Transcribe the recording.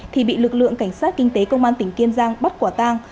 thì bị lực lượng cảnh sát kinh tế công an tỉnh kiên giang bắt quả tang